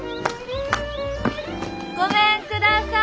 ごめんください。